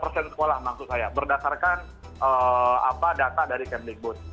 enam puluh tiga sekolah maksud saya berdasarkan data dari camp big boots